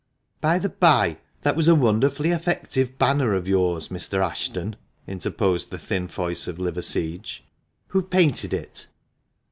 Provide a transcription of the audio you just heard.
"By the bye, that was a wonderfully effective banner of yours, Mr. Ashton," interposed the thin voice of Liverseege. "Who painted it?"